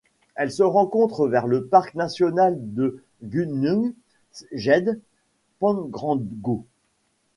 Elle se rencontre vers le parc national de Gunung Gede Pangrango.